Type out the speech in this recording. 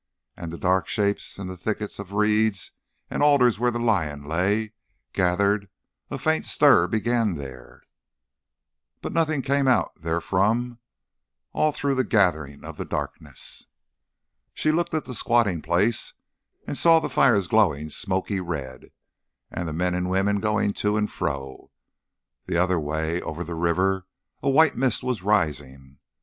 And the dark shapes in the thicket of reeds and alders where the lion lay, gathered, and a faint stir began there. But nothing came out therefrom all through the gathering of the darkness. She looked at the squatting place and saw the fires glowing smoky red, and the men and women going to and fro. The other way, over the river, a white mist was rising.